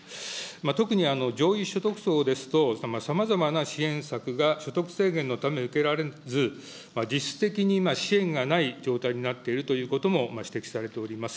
特に上位所得層ですと、さまざまな支援策が所得制限のため受けられず、実質的に支援がない状態になっているということも指摘されております。